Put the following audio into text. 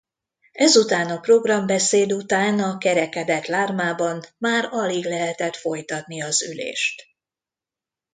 Ezután a programbeszéd után, a kerekedett lármában, már alig lehetett folytatni az ülést.